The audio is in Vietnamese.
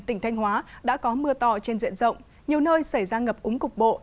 tỉnh thanh hóa đã có mưa to trên diện rộng nhiều nơi xảy ra ngập úng cục bộ